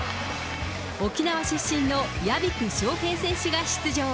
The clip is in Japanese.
沖縄出身の屋比久翔平選手が出場。